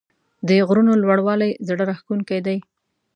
د غرونو لوړوالی زړه راښکونکی دی.